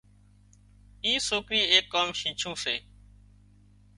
اي سوڪريئي ايڪ ڪام شيڇُون سي